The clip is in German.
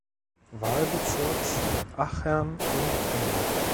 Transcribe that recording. Wahlbezirks Achern und Bühl.